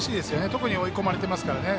特に追い込まれてますからね。